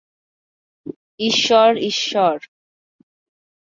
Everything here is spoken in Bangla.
ঈশ্বর, ঈশ্বর।